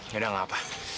ya udah nggak apa